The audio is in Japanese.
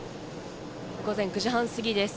午前９時半過ぎです。